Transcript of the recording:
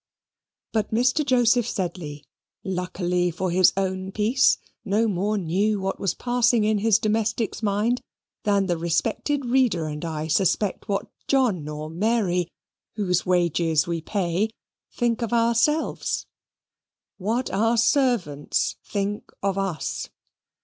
But Mr. Joseph Sedley, luckily for his own peace, no more knew what was passing in his domestic's mind than the respected reader, and I suspect what John or Mary, whose wages we pay, think of ourselves. What our servants think of us!